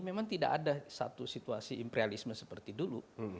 memang tidak ada satu situasi imperialisme seperti dulu